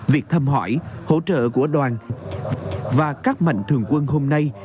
việc thăm hỏi hỗ trợ của đoàn và các mạnh thường quân hôm nay